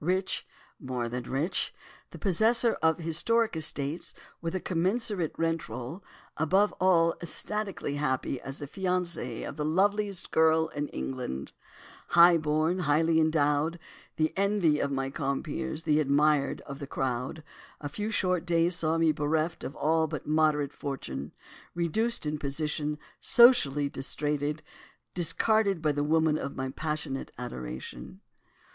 Rich—more than rich, the possessor of historic estates, with a commensurate rent roll, above all ecstatically happy as the fiancé of the loveliest girl in England—high born, highly endowed, the envy of my compeers, the admired of the crowd—a few short days saw me bereft of all but a moderate fortune, reduced in position, socially disrated, discarded by the woman of my passionate adoration.